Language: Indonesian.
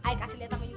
i kasih liat sama iu